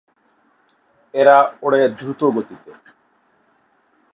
এরা ওড়ে দ্রুত গতিতে।